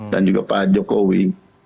dan juga pak jokowi